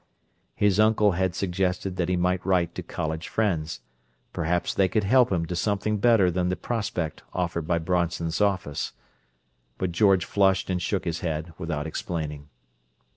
His uncle had suggested that he might write to college friends; perhaps they could help him to something better than the prospect offered by Bronson's office; but George flushed and shook his head, without explaining.